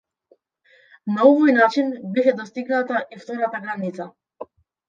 На овој начин беше достигната и втората граница.